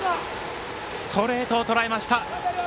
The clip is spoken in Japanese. ストレートをとらえました。